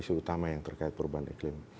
isu utama yang terkait perubahan iklim